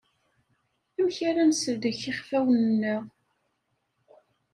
Amek ara nsellek iɣfawen-nneɣ?